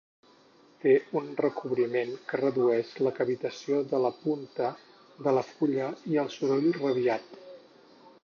Té un recobriment que redueix la cavitació de la punta de la fulla i el soroll radiat.